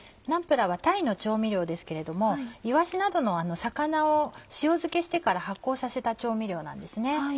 ナンプラーはタイの調味料ですけれどもイワシなどの魚を塩漬けしてから発酵させた調味料なんですね。